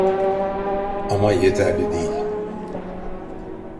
Ama yeterli değil.